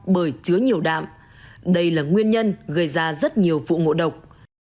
bởi chứa nhiều đạm đây là nguyên nhân gây ra rất nhiều vụ ngộ độc